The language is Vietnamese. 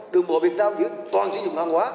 đường bộ việt nam toàn sử dụng hàng hóa